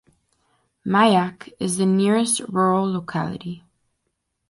Mayak is the nearest rural locality.